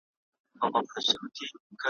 تکرار یې د قلم تقدس ته سپکاوی دی ,